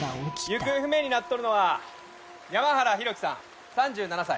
行方不明になっとるのは山原浩喜さん３７歳。